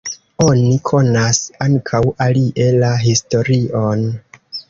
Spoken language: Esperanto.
Oni konas ankaŭ alie la historion.